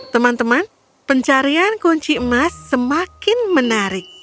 teman teman pencarian kunci emas semakin menarik